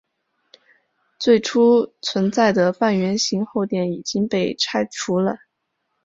最初存在的半圆形后殿已经被拆除了。